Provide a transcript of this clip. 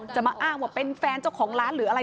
จะมาอ้างว่าเป็นแฟนเจ้าของร้านหรืออะไร